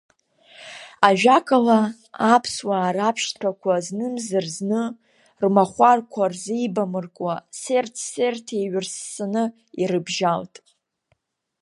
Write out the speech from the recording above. Ажәакала, аԥсуаа рабшьҭрақәа знымзарзны рмахәарқәа рзеибамыркуа, серҭ-серҭ еиҩырссаны ирыбжьалт.